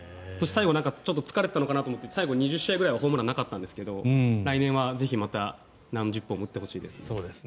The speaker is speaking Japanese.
最後疲れたのかなと思って最後２０試合ぐらいホームランなかったんですが来年はぜひまた何十本も打ってほしいですね。